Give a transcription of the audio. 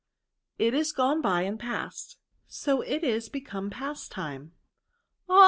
'^ It is gone by and past ; so it is become past time." Ah